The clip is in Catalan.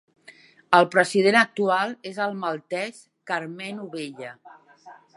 El president actual és el maltès Karmenu Vella.